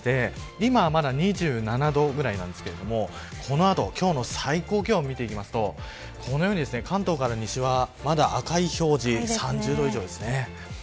今はまだ２７度ぐらいですがこの後、今日の最高気温を見ていきますとこのように関東から西はまだ赤い表示、３０度以上です。